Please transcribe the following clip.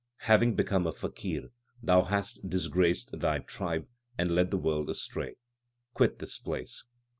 Having become a faqir, thou hast dis graced thy tribe, and led the world astray. Quit this place.